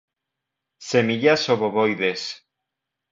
Semillas obovoides.